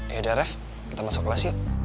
yaudah ref kita masuk kelas yuk